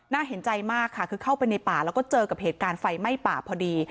เห็นใจมากค่ะคือเข้าไปในป่าแล้วก็เจอกับเหตุการณ์ไฟไหม้ป่าพอดี